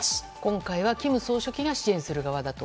今回は金総書記が支援する側だと。